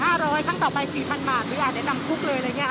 ห้าร้อยครั้งต่อไปสี่พันบาทหรืออาจได้นำคุกเลยอะไรเนี่ย